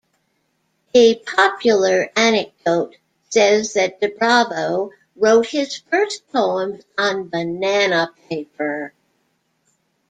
A popular anecdote says that Debravo wrote his first poems on banana paper.